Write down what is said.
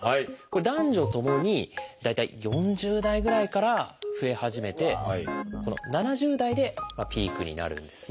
男女ともに大体４０代ぐらいから増え始めて７０代でピークになるんですね。